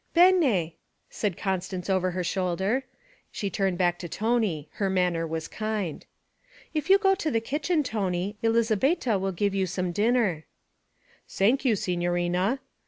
_' 'Bene!' said Constance over her shoulder. She turned back to Tony; her manner was kind. 'If you go to the kitchen, Tony, Elizabetta will give you some dinner.' 'Sank you, signorina.'